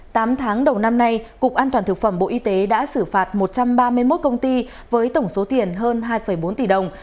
tám tháng đầu năm nay cục an toàn thực phẩm bộ y tế đã xử phạt một trăm ba mươi một công ty với tổng số tiền hơn hai bốn tỷ đồng